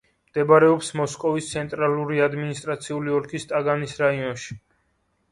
მდებარეობს მოსკოვის ცენტრალური ადმინისტრაციული ოლქის ტაგანის რაიონში.